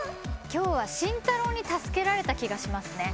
今日は紳太郎に助けられた気がしますね。